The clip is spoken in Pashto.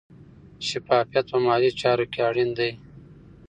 شفافیت په مالي چارو کې اړین دی.